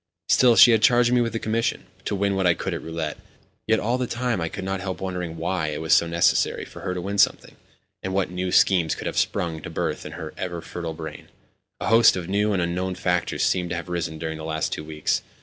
Still, she had charged me with a commission—to win what I could at roulette. Yet all the time I could not help wondering why it was so necessary for her to win something, and what new schemes could have sprung to birth in her ever fertile brain. A host of new and unknown factors seemed to have arisen during the last two weeks.